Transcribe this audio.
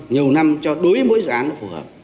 nhiều năm cho đối với mỗi dự án phù hợp